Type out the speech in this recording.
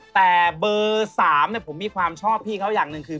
แต่เบอร์๓ผมมีความชอบพี่เขาอย่างหนึ่งคือ